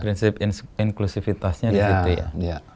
prinsip inklusifitasnya di situ ya